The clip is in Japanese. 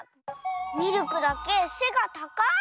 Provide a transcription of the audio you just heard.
ミルクだけせがたかい！